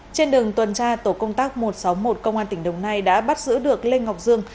trên đường tuần tra tổ công tác một trăm sáu mươi một công an tỉnh đồng nai đã bắt giữ được lê ngọc dương